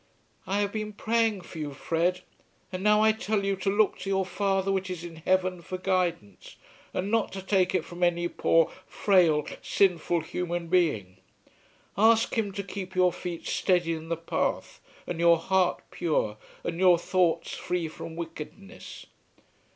"I have been praying for you, Fred; and now I tell you to look to your Father which is in Heaven for guidance, and not to take it from any poor frail sinful human being. Ask Him to keep your feet steady in the path, and your heart pure, and your thoughts free from wickedness.